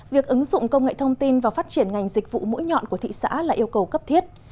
việc ứng dụng công nghệ thông tin và phát triển ngành dịch vụ mũi nhọn của thị xã là yêu cầu cấp thiết